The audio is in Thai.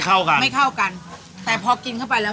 อ๋อควิดได้แต่ผมอืม